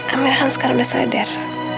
amirah kan sekarang sudah sadar